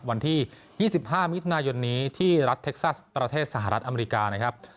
วันที่๒๕มิถุนายนนี้ที่รัฐเท็กซัสประเทศสหรัฐอเมริกานะครับ